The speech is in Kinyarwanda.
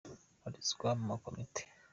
Babarizwa mu makomite